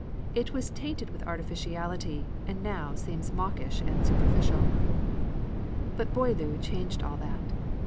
It was tainted with artificiality, and now seems mawkish and superficial. But Boileau changed all that.